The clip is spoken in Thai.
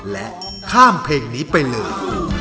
และข้ามเพลงนี้ไปเลย